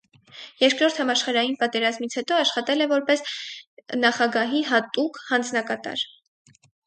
Երկրորդ համաշխարհային պատերազմից հետո աշխատել է որպես նախագահի հատուկ հանձնակատար։